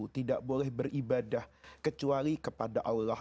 tidak boleh beribadah kecuali kepada allah